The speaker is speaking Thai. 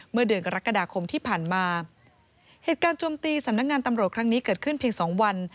เมื่อเดือนกรกฎาคมที่ผ่านมาเหตุการณ์โจมตีสำนักงานตำรวจครั้งนี้เกิดขึ้นเพียงสองวัน